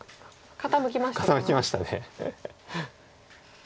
傾きました。